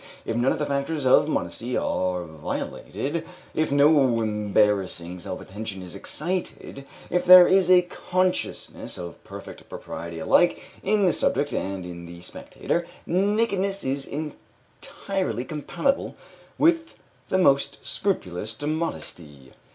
If none of the factors of modesty are violated, if no embarrassing self attention is excited, if there is a consciousness of perfect propriety alike in the subject and in the spectator, nakedness is entirely compatible with the most scrupulous modesty.